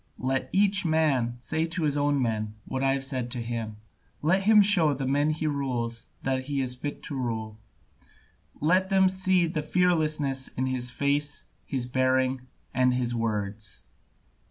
Let each man say to his own men what I have said to him, let him show the men he rules that he is fit to rule, let them see the fearlessness in his face, his bearing, and his words."